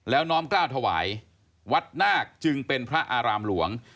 แล้วน้อมกล้าวถวายวัดนาคจึงเป็นพระอารามหลวง